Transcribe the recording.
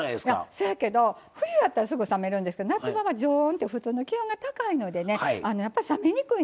そやけど冬やったらすぐ冷めるんですけど夏場は常温って普通の気温が高いのでねやっぱり冷めにくいんです。